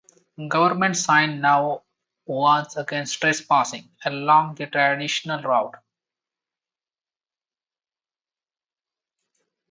Government signs now warn against trespassing along the traditional route.